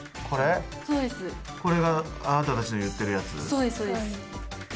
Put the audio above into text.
そうですそうです。